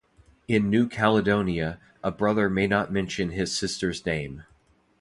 In New Caledonia a brother may not mention his sister's name.